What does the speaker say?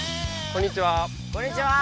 こんにちは！